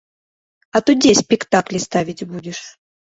А то дзе спектаклі ставіць будзеш?